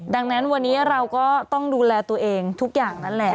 ดังนั้นวันนี้เราก็ต้องดูแลตัวเองทุกอย่างนั่นแหละ